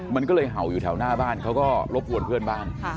มันก็เลยเห่าอยู่แถวหน้าบ้านเขาก็รบกวนเพื่อนบ้าน